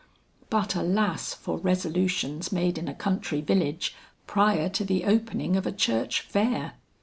But alas, for resolutions made in a country village prior to the opening of a church fair!